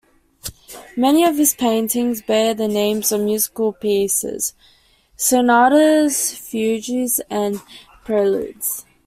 Many of his paintings bear the names of musical pieces: sonatas, fugues, and preludes.